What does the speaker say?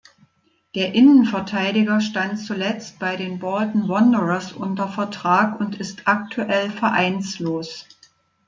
Der Innenverteidiger stand zuletzt bei den Bolton Wanderers unter Vertrag und ist aktuell Vereinslos.